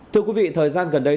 thưa quý vị thời gian gần đây